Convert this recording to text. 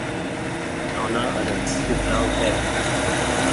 As a solo recording artist, Pook released several albums.